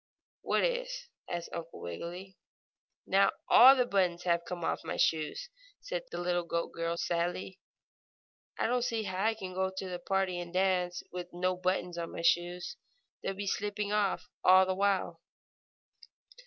"What is?" asked Uncle Wiggily. "Now all the buttons have come off my shoes!" said the little goat girl, sadly. "I don't see how I can go on to the party and dance, with no buttons on my shoes. They'll be slipping off all the while."